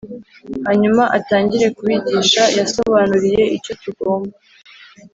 hanyuma atangira kubigisha Yabasobanuriye icyo tugomba